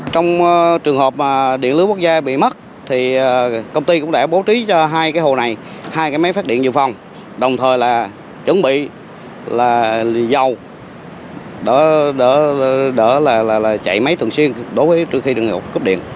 trong trường hợp điện lưới quốc gia bị mất công ty cũng đã bố trí cho hai cái hồ này hai cái máy phát điện dự phòng đồng thời chuẩn bị dầu để chạy máy thường xuyên đối với trường hợp cấp điện